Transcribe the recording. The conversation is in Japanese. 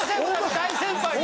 大先輩に。